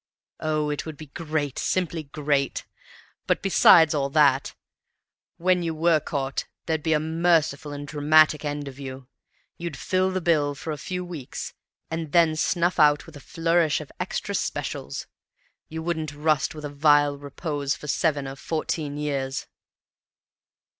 Oh, it would be great, simply great! But, besides all that, when you were caught there'd be a merciful and dramatic end of you. You'd fill the bill for a few weeks, and then snuff out with a flourish of extra specials; you wouldn't rust with a vile repose for seven or fourteen years."